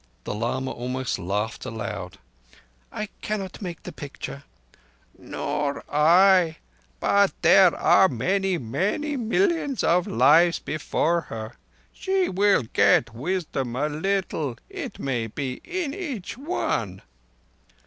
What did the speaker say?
The lama almost laughed aloud. "I cannot make the picture." "Nor I. But there are many, many millions of lives before her. She will get wisdom a little, it may be, in each one."